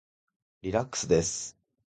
リラックスです。